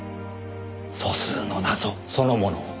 素数の謎そのものを。